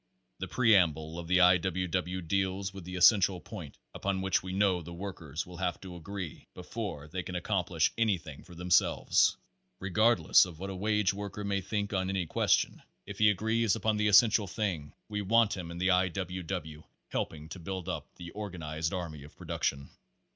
The Preamble of the I. W. W. deals with the es sential point upon which we know the workers will have to agree before they can accomplish anything for themselves. Regardless of what a wage worker may think on any question, if he agrees upon the essential Page Forty one thing we want him in the I. W. W. helping to build up the organized army of production.